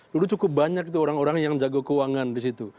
dulu cukup banyak orang orang yang jago keuangan disitu